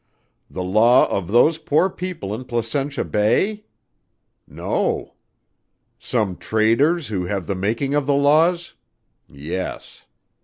The law of those poor people in Placentia Bay? No. Some traders who have the making of the laws? Yes.